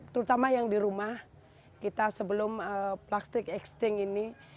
terutama yang di rumah kita sebelum plastik exting ini